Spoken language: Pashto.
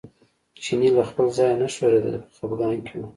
چینی له خپل ځایه نه ښورېده په خپګان کې و.